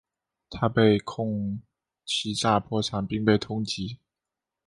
他被控欺诈破产并被通缉。